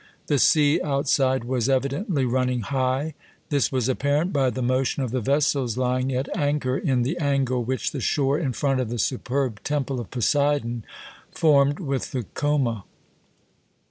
The sea outside was evidently running high. This was apparent by the motion of the vessels lying at anchor in the angle which the shore in front of the superb Temple of Poseidon formed with the Choma.